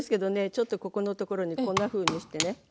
ちょっとここのところにこんなふうにしてね。